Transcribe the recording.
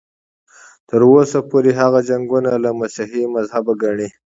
تر اوسه پورې هغه جنګونه له مسیحي مذهبه ګڼي.